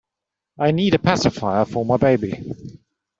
I need a pacifier for my baby.